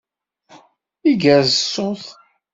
Igerrez ṣṣut.